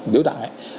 điếu tặng ấy